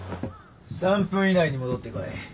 ３分以内に戻ってこい。